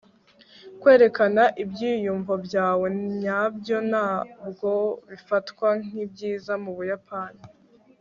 kwerekana ibyiyumvo byawe nyabyo ntabwo bifatwa nkibyiza mubuyapani